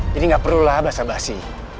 jadi gak perlulah basa basi